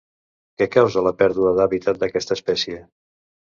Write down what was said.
Què causa la pèrdua d'habitat d'aquesta espècie?